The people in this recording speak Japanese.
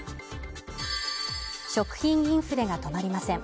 食品インフレが止まりません。